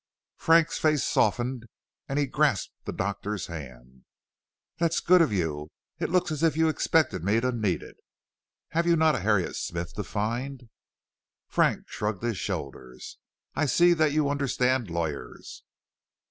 Frank's face softened and he grasped the doctor's hand. "That's good of you; it looks as if you expected me to need it." "Have you not a Harriet Smith to find?" Frank shrugged his shoulders. "I see that you understand lawyers."